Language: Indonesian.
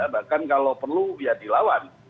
bahkan kalau perlu ya dilawan